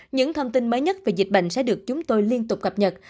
những thông tin mới nhất về dịch bệnh sẽ được chúng tôi liên tục cập nhật